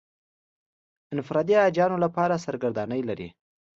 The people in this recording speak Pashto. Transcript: انفرادي حاجیانو لپاره سرګردانۍ لري.